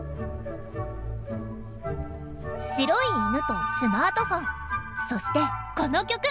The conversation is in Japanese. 白い犬とスマートフォンそしてこの曲。